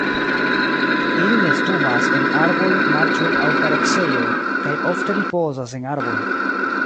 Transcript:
Ili nestumas en arboj, marĉoj aŭ kareksejoj, kaj ofte ripozas en arboj.